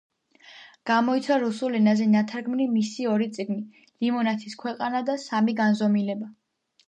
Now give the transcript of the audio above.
გამოიცა რუსულ ენაზე ნათარგმნი მისი ორი წიგნი „ლიმონათის ქვეყანა“ და „სამი განზომილება“.